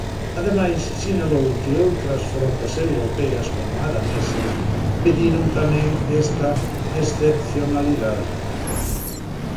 Ademais, sinalou que outras frotas europeas, como a danesa, pediron tamén esta "excepcionalidade".